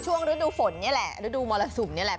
ฤดูฝนนี่แหละฤดูมรสุมนี่แหละ